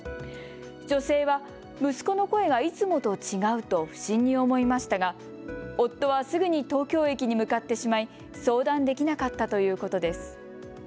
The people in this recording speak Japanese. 女性は息子の声がいつもと違うと不審に思いましたが夫はすぐに東京駅に向かってしまい相談できなかったということです。